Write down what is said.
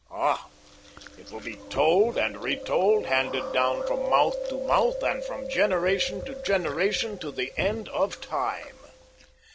Ah, it will be told and retold, handed down from mouth to mouth and from generation to generation to the end of time.